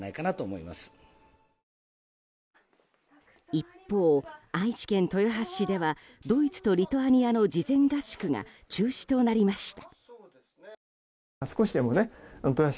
一方、愛知県豊橋市ではドイツとリトアニアの事前合宿が中止となりました。